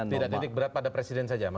tidak titik berat pada presiden saja